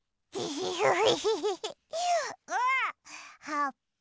はっぱ。